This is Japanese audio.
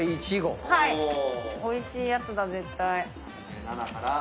おいしいやつだ絶対。